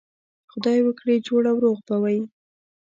خدای وکړي جوړ او روغ به وئ.